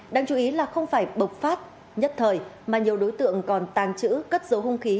đáng chú ý là không phải bộc phát nhất thời mà nhiều đối tượng còn tàng trữ cất dấu hung khí